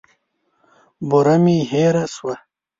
بوره مي هېره سوه .